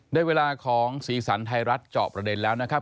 ได้เวลาของสีสันไทยรัฐเจาะประเด็นแล้วนะครับ